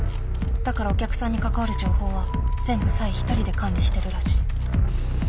だからお客さんに関わる情報は全部サイ一人で管理してるらしい。